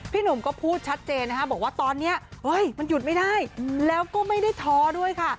หนุ่มก็พูดชัดเจนนะคะบอกว่าตอนนี้มันหยุดไม่ได้แล้วก็ไม่ได้ท้อด้วยค่ะ